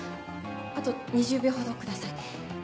あと２０秒ほどください。